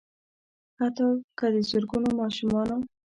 حتا که د زرګونو ماشومانو